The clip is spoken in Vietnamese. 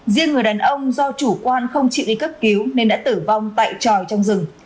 riêng người đàn ông do chủ quan không chịu đi cấp cứu nên đã tử vong tại tròi trong rừng